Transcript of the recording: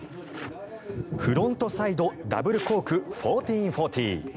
フロントサイドダブルコーク１４４０。